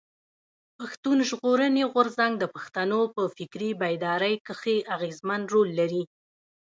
پښتون ژغورني غورځنګ د پښتنو په فکري بيداري کښي اغېزمن رول لري.